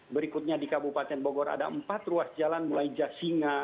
berikutnya di kabupaten bogor ada empat ruas jalan mulai jasinga